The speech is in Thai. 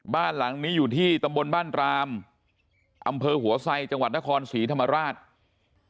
บ้านหลังนี้อยู่ที่ตำบลบ้านรามอำเภอหัวไซจังหวัดนครศรีธรรมราช